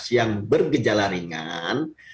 yang bergejala ringan